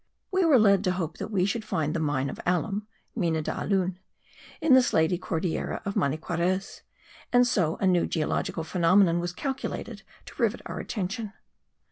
We were led to hope that we should find the mine of alum (mina de alun) in the slaty cordillera of Maniquarez, and so new a geological phenomenon was calculated to rivet our attention.